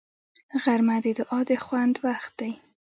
غرمه د دعا د خوند وخت دی